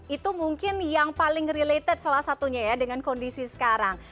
itu mungkin yang paling related salah satunya ya dengan kondisi sekarang